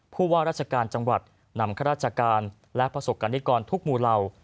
ผู้ว่าราชการจังหวัดนำข้าราชการและประสบกรณิกรทุกหมู่เหล่า